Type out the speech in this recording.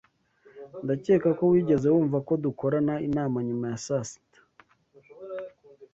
Ndakeka ko wigeze wumva ko dukorana inama nyuma ya saa sita.